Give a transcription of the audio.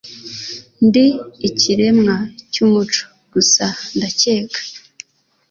Ndi ikiremwa cyumuco gusa ndakeka